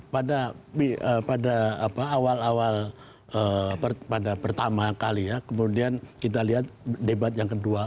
pada awal awal pada pertama kali ya kemudian kita lihat debat yang kedua